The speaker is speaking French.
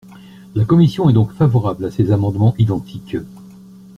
La commission est donc favorable à ces amendements identiques.